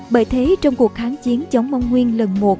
bởi thế trong cuộc kháng chiến chống mong nguyên lần một